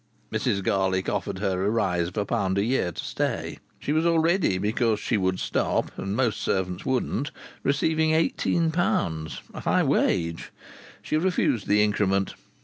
Mrs Garlick offered her a rise of £1 a year to stay. She was already, because she would stop and most servants wouldn't, receiving £18, a high wage. She refused the increment.